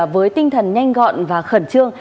với tinh thần nhanh gọn và khẩn trương